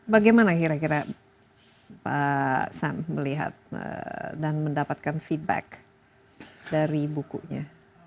bagaimana kira kira pak sam melihat dan mendapatkan feedback dari bukunya